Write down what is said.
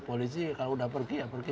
polisi kalau udah pergi ya pergi